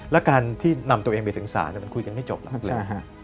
และการที่นำตัวเองไปถึงศาลมันคุยกันไม่จบแล้วเลย